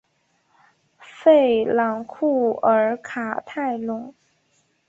弗朗库尔卡泰隆。